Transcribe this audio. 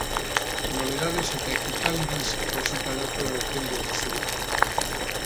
Nobedadez eta ekitaldiz josita dator aurtengo edizioa.